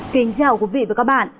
kính chào quý vị và các bạn